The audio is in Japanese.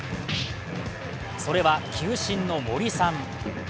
それは、球審の森さん。